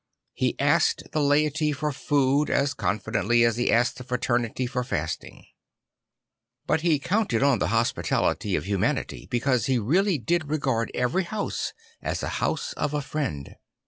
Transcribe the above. lIe asked the laity for food as confidently as he asked the fraternity for fasting. But he 120 St. Francis of Assisi counted on the hospitality of humanity because he really did regard every house as the house of a friend.